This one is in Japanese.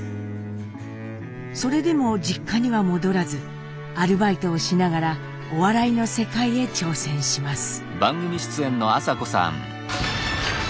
それでも実家には戻らずアルバイトをしながらお笑いの世界へ挑戦します。